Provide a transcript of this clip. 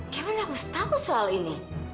gimana ustadz tahu soal ini